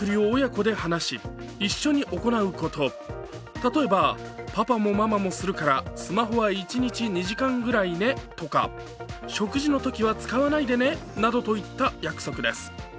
例えば、パパもママもするからスマホは一日２時間ぐらいねとか、食事のときは使わないでねなどといった約束です。